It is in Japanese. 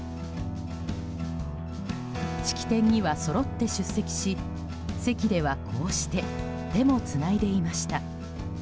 式典には、そろって出席し席ではこうして手もつないでいました。